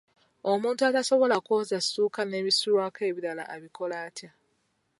Omuntu atasobola kwoza ssuuka n'ebisulwako ebirala abikola atya?